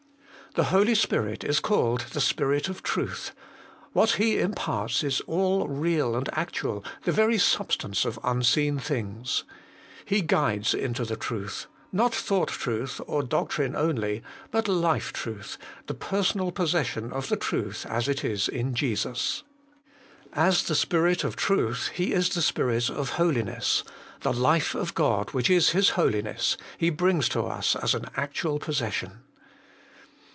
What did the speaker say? The Holy Spirit is called the Spirit of Truth ; what He imparts is all real and actual, the very substance of unseen things ; He guides into the Truth, not thought truth or doctrine only, but life truth, the personal possession of the Truth as it is in Jesus. As the Spirit of Truth He is the Spirit of Holiness; the life of God, which is His Holiness, He brings to us as an actual possession.